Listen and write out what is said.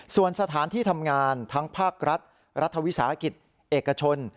ส่วนสถานที่ทำงานทั้งภาครัฐรัฐวิสาหกิจเอกชน